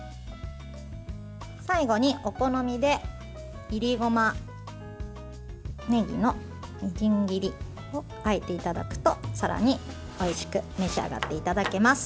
最後にお好みでいりごま、ねぎのみじん切りを加えていただくとさらにおいしく召し上がっていただけます。